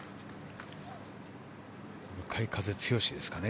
向かい風強しですかね。